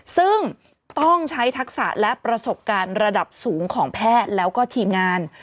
ซึ่งต้องใช้ทักษะและประสบการณ์ระดับสูงของแพทย์แล้วก็ทีมงาน